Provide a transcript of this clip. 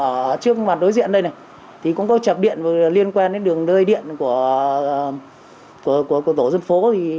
ở trước mặt đối diện đây nè thì cũng có chập điện liên quan đến đường đơi điện của tổ dân phố